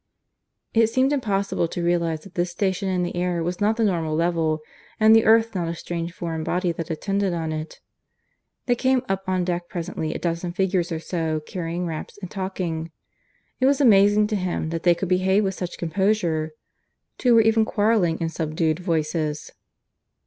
It seemed impossible to realize that this station in the air was not the normal level, and the earth not a strange foreign body that attended on it. There came up on deck presently a dozen figures or so, carrying wraps, and talking. It was amazing to him that they could behave with such composure. Two were even quarrelling in subdued voices.